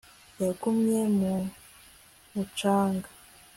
yagumye mu mucanga